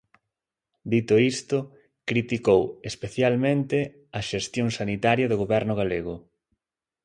Dito iso, criticou "especialmente" a xestión sanitaria do Goberno galego.